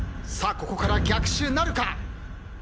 ここから逆襲なるか？